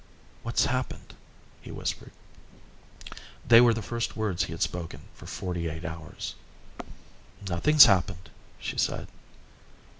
"What's happened?" he whispered. They were the first words he had spoken for forty eight hours. "Nothing's happened," she said.